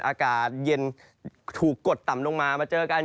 อากาศเย็นถูกกดต่ำลงมามาเจอกัน